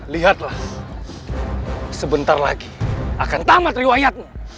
lihatlah sebentar lagi akan tamat riwayatmu